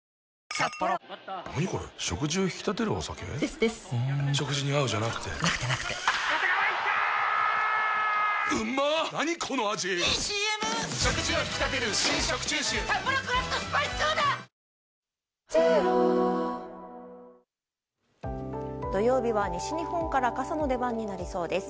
「サッポロクラフトスパイスソーダ」土曜日は西日本から傘の出番になりそうです。